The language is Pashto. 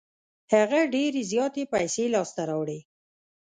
هغه ډېرې زياتې پیسې لاس ته راوړې.